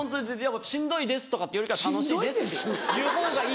しんどいですとかって言うよりは楽しいですって言う方がいい。